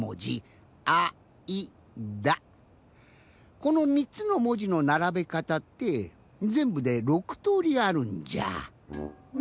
この３つのもじのならべかたってぜんぶで６とおりあるんじゃ。